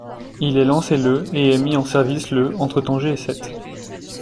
Il est lancé le et est mis en service le entre Tanger et Sète.